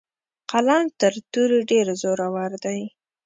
قلم تر تورې ډیر زورور دی.